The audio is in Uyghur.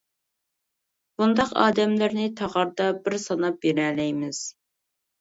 بۇنداق ئادەملەرنى تاغاردا بىر ساناپ بېرەلەيمىز.